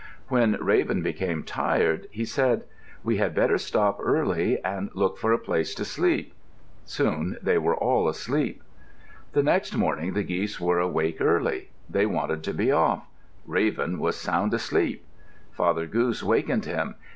When Raven became tired he said, "We had better stop early and look for a place to sleep." Soon they were all asleep. The next morning the geese were awake early. They wanted to be off. Raven was sound asleep. Father Goose wakened him.